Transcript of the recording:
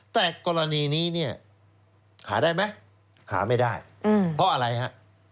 แต่กรณีนี้เนี่ยหาได้ไหมหาไม่ได้เพราะอะไรฮะ